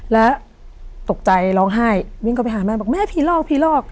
แล้วตกใจร้องไห้วิ่งเข้าไปหาแม่บอกแม่ผีหลอกผีหลอก